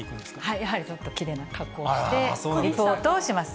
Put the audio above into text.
やはり、ちょっときれいな格好をしてリポートをします。